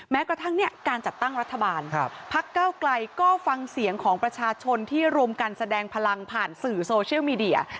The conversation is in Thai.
แม้กระทั่งเนี่ยการจัดตั้งรัฐบาลพักเก้าไกลก็ฟังเสียงของประชาชนที่รวมกันแสดงพลังผ่านสื่อโซเชียลมีเดีย